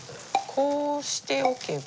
こうしておけば。